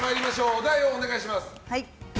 お題をお願いします。